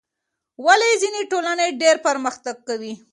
ولې ځینې ټولنې ډېر پرمختګ کوي؟